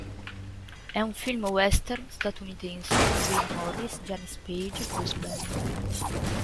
È un film western statunitense con Wayne Morris, Janis Paige e Bruce Bennett.